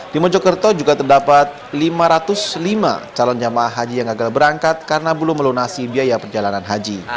di mojokerto juga terdapat lima ratus lima calon jamaah haji yang gagal berangkat karena belum melunasi biaya perjalanan haji